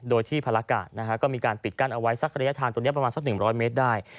โดยที่ภารกาศก็มีการปิดกั้นเอาไว้สักระยะทางตรงนี้ประมาณสัก๑๐๐เมตรได้